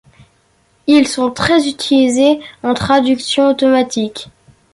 Ils sont très utilisés en traduction automatique.